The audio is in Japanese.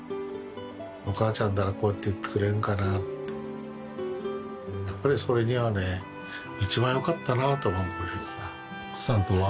お母ちゃんならこうやって言ってくれるかなってやっぱりそれにはね一番よかったなと思う